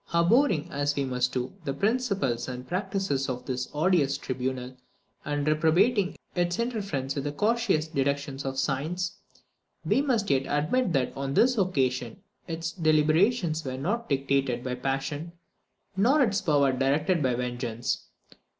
Abhorring, as we must do, the principles and practice of this odious tribunal, and reprobating its interference with the cautious deductions of science, we must yet admit that, on this occasion, its deliberations were not dictated by passion, nor its power directed by vengeance.